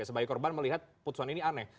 sebagai korban melihat putusan ini aneh